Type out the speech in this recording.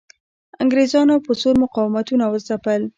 انګریزانو په زور مقاومتونه وځپل.